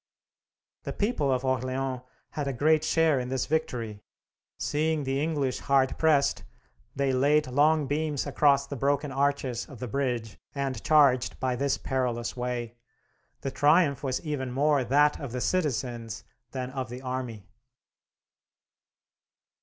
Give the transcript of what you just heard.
The people of Orleans had a great share in this victory. Seeing the English hard pressed, they laid long beams across the broken arches of the bridge, and charged by this perilous way. The triumph was even more that of the citizens than of the army.